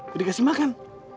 dia kasih makan